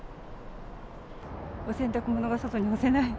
お洗濯物を外に干せない。